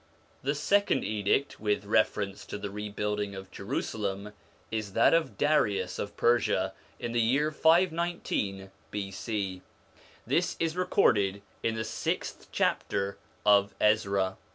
The second edict, with reference to the rebuild ing of Jerusalem, is that of Darius of Persia in the year 519 B.C. ; this is recorded in the sixth chapter of Ezra.